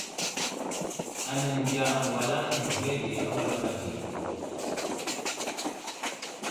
Anaŋ məndiya aŋgalaŋ adəverge a wulam age.